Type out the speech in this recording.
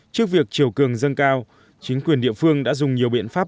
trước việc chiều cường dâng cao chính quyền địa phương đã dùng nhiều biện pháp